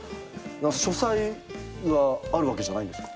書斎はあるわけじゃないんですか？